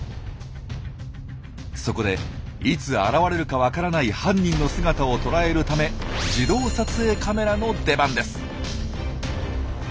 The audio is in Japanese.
そこでいつ現れるかわからない犯人の姿をとらえるため自動撮影カメラの出番です。